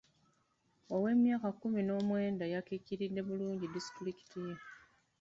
Ow'emyaka ekkumi n'omwenda yakiikiridde bulungi disitulikiti ye.